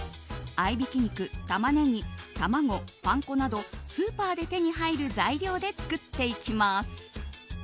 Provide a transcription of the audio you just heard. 合いびき肉、タマネギ卵、パン粉などスーパーで手に入る材料で作っていきます。